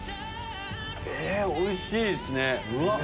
えおいしいっすね！